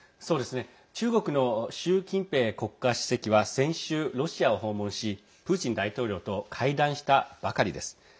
中国の習近平国家主席は先週、ロシアを訪問しプーチン大統領と会談したばかりです。